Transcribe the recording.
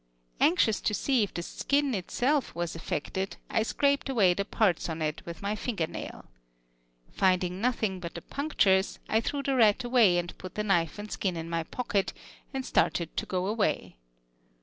Anxious to see if the skin itself was affected, I scraped away the parts on it with my finger nail. Finding nothing but the punctures, I threw the rat away and put the knife and skin in my pocket, and started to go away.